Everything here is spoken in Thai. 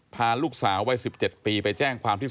พาลูกสาววัย๑๗ปีไปแจ้งความที่